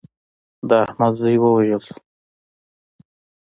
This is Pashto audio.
د احمد زوی ووژل شو.